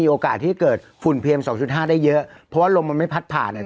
โอกาสที่เกิดฝุ่นเพียงสองจุดห้าได้เยอะเพราะว่าลมมันไม่พัดผ่านเนี่ย